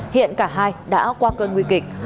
hiện cả hai đã qua cơn nguy kịch